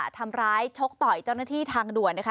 ทำร้ายชกต่อยเจ้าหน้าที่ทางด่วนนะคะ